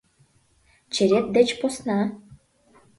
Черет деч посна...